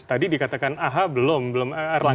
tadi dikatakan aha belum belum erlangga